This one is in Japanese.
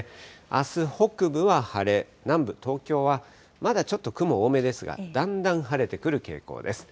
あす、北部は晴れ、南部、東京はまだちょっと雲多めですが、だんだん晴れてくる傾向です。